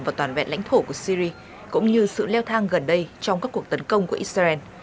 và toàn vẹn lãnh thổ của syri cũng như sự leo thang gần đây trong các cuộc tấn công của israel